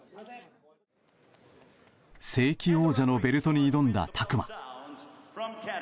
正規王者のベルトに挑んだ拓真。